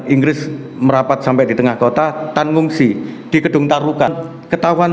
inggris merapat sampai di tengah kota tanggung sih di kedung tarukan ketahuan